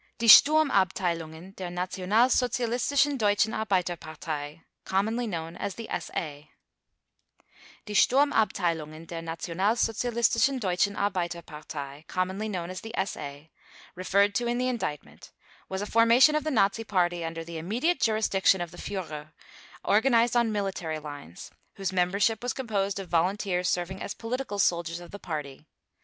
DIE STURMABTEILUNGEN DER NATIONALSOZIALISTISCHEN DEUTSCHEN ARBEITERPARTEI (COMMONLY KNOWN AS THE SA) "Die Sturmabteilungen der Nationalsozialistischen Deutschen Arbeiterpartei (commonly known as the SA)" referred to in the Indictment was a formation of the Nazi Party under the immediate jurisdiction of the Führer, organized on military lines, whose membership was composed of volunteers serving as political soldiers of the Party.